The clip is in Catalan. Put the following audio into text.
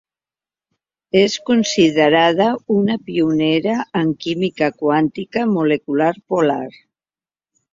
És considerada una pionera en química quàntica molecular polar.